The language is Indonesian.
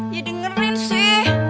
ya dengerin sih